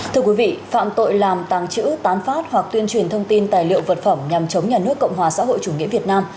thưa quý vị phạm tội làm tàng trữ tán phát hoặc tuyên truyền thông tin tài liệu vật phẩm nhằm chống nhà nước cộng hòa xã hội chủ nghĩa việt nam